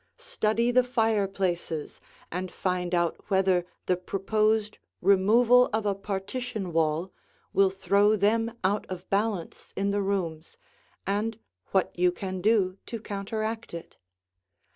Study the fireplaces and find out whether the proposed removal of a partition wall will throw them out of balance in the rooms, and what you can do to counteract it.